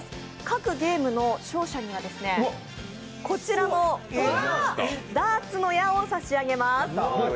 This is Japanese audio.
各ゲームの勝者にはこちらのダーツの矢を差し上げます。